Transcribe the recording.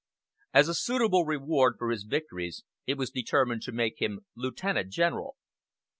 As a suitable reward for his victories it was determined to make him Lieutenant General.